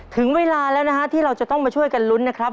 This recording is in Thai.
ถึงเวลาแล้วนะฮะที่เราจะต้องมาช่วยกันลุ้นนะครับ